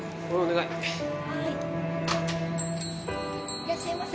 ・いらっしゃいませ